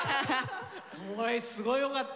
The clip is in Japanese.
すごいよかった！